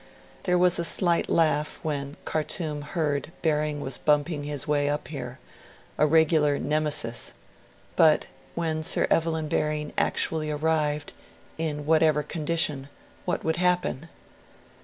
'There was a slight laugh when Khartoum heard Baring was bumping his way up here a regular Nemesis.' But, when Sir Evelyn Baring actually arrived in whatever condition what would happen?